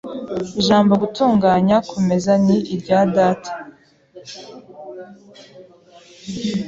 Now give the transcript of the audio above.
Ijambo gutunganya kumeza ni irya data.